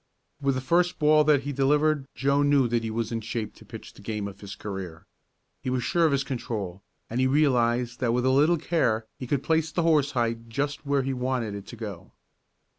With the first ball that he delivered Joe knew that he was in shape to pitch the game of his career. He was sure of his control, and he realized that with a little care he could place the horsehide just where he wanted it to go.